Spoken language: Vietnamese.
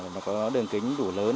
để có đường kính đủ lớn